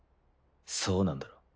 そうなんだろう？